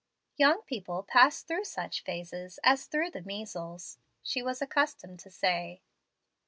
"Young people pass through such phases as through the measles," she was accustomed to say.